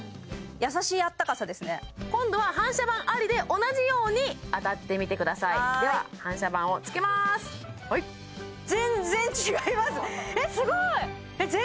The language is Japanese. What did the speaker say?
優しいあったかさですね今度は反射板ありで同じように当たってみてくださいでは反射板をつけます